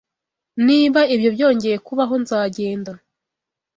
Niba ibyo byongeye kubaho, nzagenda.